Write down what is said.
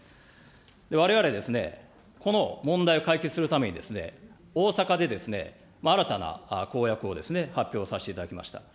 われわれ、この問題を解決するために、大阪で、新たな公約を発表させていただきました。